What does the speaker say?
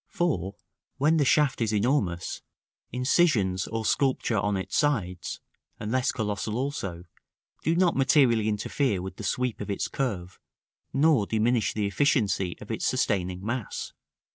For, when the shaft is enormous, incisions or sculpture on its sides (unless colossal also), do not materially interfere with the sweep of its curve, nor diminish the efficiency of its sustaining mass.